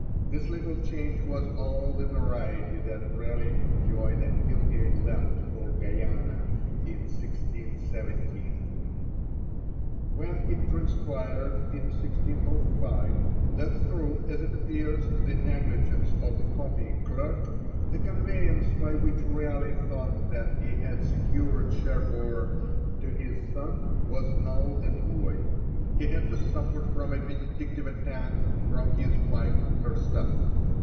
This little change was all the variety that Raleigh enjoyed until he left for Guiana in 1617. When it transpired in 1605 that through, as it appears, the negligence of the copying clerk, the conveyance by which Raleigh thought that he had secured Sherborne to his son was null and void, he had to suffer from a vindictive attack from his wife herself.